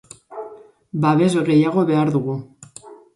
Babes gehiago behar dugu.